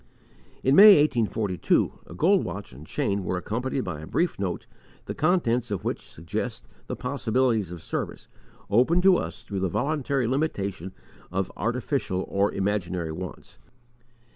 In May, 1842, a gold watch and chain were accompanied by a brief note, the contents of which suggest the possibilities of service, open to us through the voluntary limitation of artificial or imaginary wants.